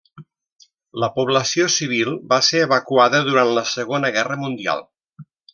La població civil va ser evacuada durant la Segona Guerra Mundial.